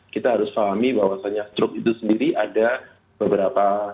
kita harus pahami bahwasannya stroke itu sendiri ada beberapa